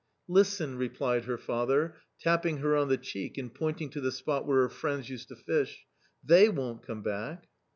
" Listen !" replied her father, tapping her on the cheek and pointing to the spot where her friends used to fish; "they won't come back."